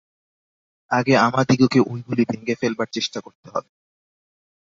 আগে আমাদিগকে ঐগুলি ভেঙে ফেলবার চেষ্টা করতে হবে।